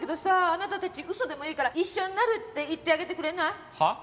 あなたたちウソでもいいから「一緒になる」って言ってあげてくれない？はあ？